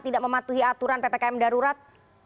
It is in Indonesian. tidak mematuhi aturan ppkm darurat